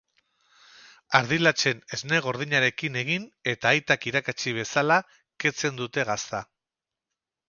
Ardi latxen esne gordinarekin egin eta aitak irakatsi bezala ketzen dute gazta.